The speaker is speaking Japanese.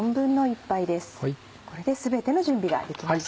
これで全ての準備ができました。